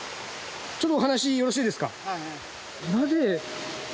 ちょっとお話よろしいですか？